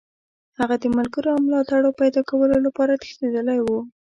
هغه د ملګرو او ملاتړو د پیداکولو لپاره تښتېدلی وو.